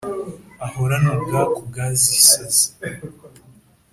ahorane ubwaku bwazisaze.